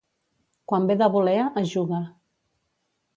Quan ve de volea, es juga.